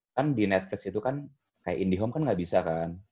kan di netflix itu kan kayak indie home kan nggak bisa kan